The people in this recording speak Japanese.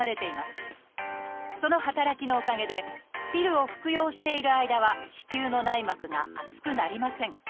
その働きのおかげでピルを服用している間は子宮の内膜が厚くなりません。